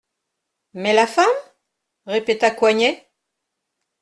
Mais la femme ? répéta Coignet.